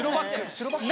白バック。